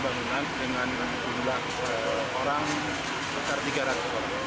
bangunan dengan jumlah orang sekitar tiga ratus orang